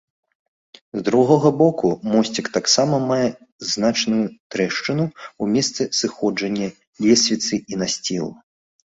З другога боку мосцік таксама мае значную трэшчыну ў месцы сыходжання лесвіцы і насцілу.